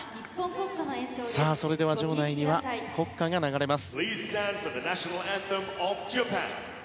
それでは場内には国歌が流れます。